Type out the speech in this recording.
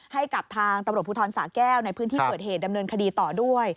ให้กับทางตำรวจภูทรสาแก้วในพื้นที่เกิดเหตุดำเนินคดีต่อด้วย